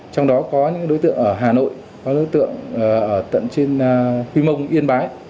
trong đó có những đối tượng ở hà nội có đối tượng ở tận trên quy mông yên bái